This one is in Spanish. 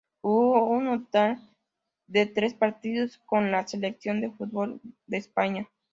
Jugó un total de tres partidos con la selección de fútbol de España.